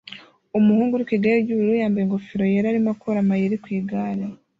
Umuhungu uri ku igare ry'ubururu yambaye ingofero yera arimo akora amayeri ku igare